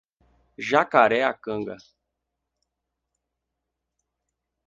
Jacareacanga